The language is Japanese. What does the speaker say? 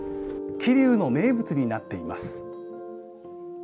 桐生の名物になっています。